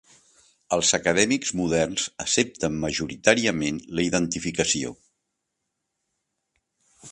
Els acadèmics moderns accepten majoritàriament la identificació.